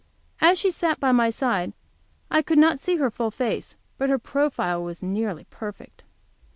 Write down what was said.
As she sat by my side I could not see her full face, but her profile was nearly perfect.